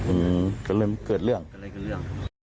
อืมก็เริ่มเกิดเรื่อง